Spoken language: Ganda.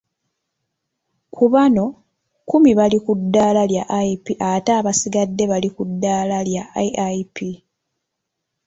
Kubano, kkumi bali kuddaala lya IP ate abasigadde bali ku ddaala lya AIP.